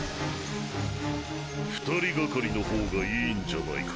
２人がかりのほうがいいんじゃないか？